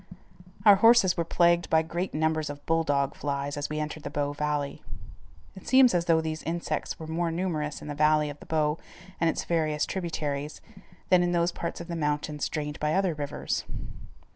Our horses were plagued by great numbers of bull dog flies as we entered the Bow valley. It seems as though these insects were more numerous in the valley of the Bow, and its various tributaries, than in those parts of the mountains drained by other rivers.